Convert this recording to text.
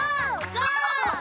ゴー！